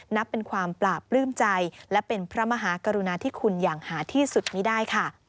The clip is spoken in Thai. นับเป็นความปราบปลื้มใจและเป็นพระมหากรุณาธิคุณอย่างหาที่สุดไม่ได้ค่ะ